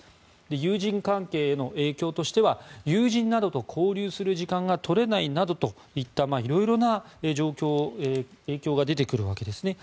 友人関係への影響としては友人などと交流する時間が取れないなどといった色々な影響が出てくるわけですね。